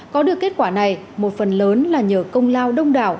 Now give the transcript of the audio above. có được kết quả này một phần lớn là nhờ công lao đông đảo